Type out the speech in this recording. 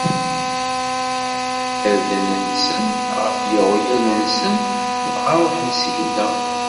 Ɛebban irden-nsen ɣef yeɣyal-nsen, dɣa ṛuḥen syenna.